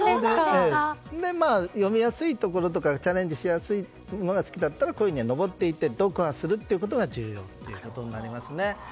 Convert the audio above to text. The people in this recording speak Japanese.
読みやすいところとかチャレンジしやすいものが好きだったらこういうふうに登っていって読破することが重要となりますね。